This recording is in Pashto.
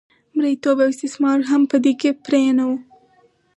مریتوب او استثمار هم په کې پرېنه و.